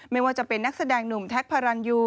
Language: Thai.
ไม่ว่าจะเป็นนักแสดงหนุ่มแท็กพารันยู